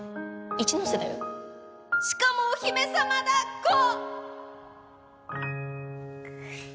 一ノ瀬だよしかもお姫様だっこ！